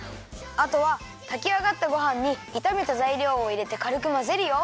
あとはたきあがったごはんにいためたざいりょうをいれてかるくまぜるよ。